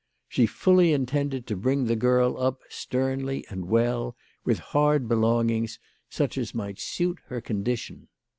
She fully intended to bring the girl up sternly and well, with hard belongings, such as might suit her condition.